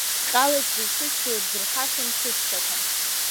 Дҟьалеит ҳәа исышьҭоу ирзырхашам сышьҭақәа…